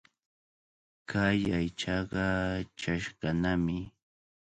Kay aychaqa chashqanami.